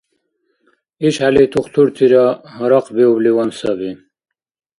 ИшхӀели тухтуртира гьарахъбиубливан саби.